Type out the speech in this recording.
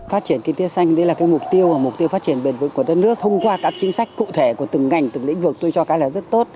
phát triển kinh tế xanh đấy là cái mục tiêu và mục tiêu phát triển bền vững của đất nước thông qua các chính sách cụ thể của từng ngành từng lĩnh vực tôi cho cái là rất tốt